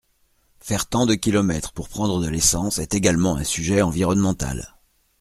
Faire tant de kilomètres pour prendre de l’essence est également un sujet environnemental.